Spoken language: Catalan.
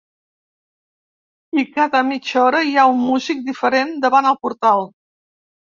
I cada mitja hora, hi ha un músic diferent davant el portal.